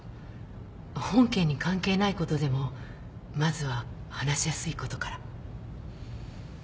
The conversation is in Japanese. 本件に関係ないことでもまずは話しやすいことから。